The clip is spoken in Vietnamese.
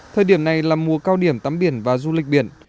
thời điểm này là mùa cao điểm tắm biển và du lịch biển